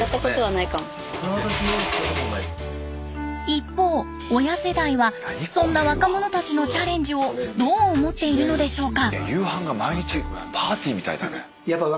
一方親世代はそんな若者たちのチャレンジをどう思っているのでしょうか？